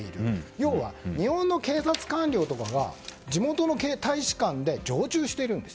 要は、日本の警察官僚とかが地元の大使館で常駐しているんです。